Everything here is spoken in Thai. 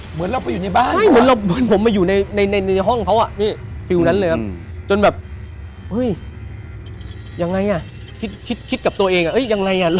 เหมือนเราไปอยู่ในบ้านใช่เหมือนเราเหมือนผมมาอยู่ในห้องเขาอ่ะนี่ฟิลนั้นเลยครับจนแบบเฮ้ยยังไงอ่ะคิดคิดกับตัวเองยังไงอ่ะ